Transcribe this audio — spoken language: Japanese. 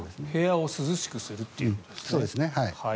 部屋を涼しくするということですね。